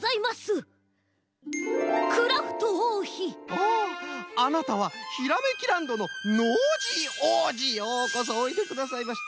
おおあなたはひらめきランドのノージーおうじようこそおいでくださいました。